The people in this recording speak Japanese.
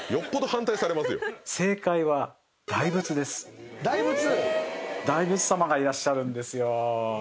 タワマン⁉大仏様がいらっしゃるんですよ。